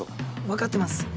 わかってます。